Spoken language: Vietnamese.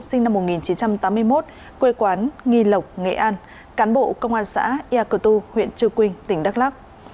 sinh năm một nghìn chín trăm tám mươi một quê quán nghi lộc nghệ an cán bộ công an xã ya cơ tu huyện trư quynh tỉnh đắk lắc